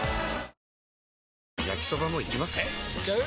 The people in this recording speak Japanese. えいっちゃう？